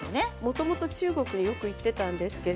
もともと中国によく行っていたんです。